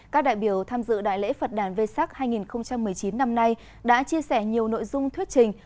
các đại biểu tham dự đại lễ phật đàn vê sắc hai nghìn một mươi chín năm nay đã chia sẻ nhiều nội dung thuyết trình